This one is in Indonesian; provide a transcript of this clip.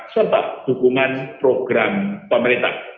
serta dukungan program pemerintah